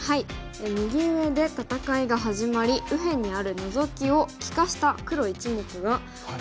右上で戦いが始まり右辺にあるノゾキを利かした黒１目が取られそうな局面です。